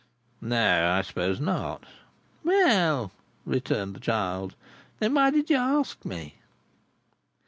"No, I suppose not." "Well," returned the child, "then why did you ask me?"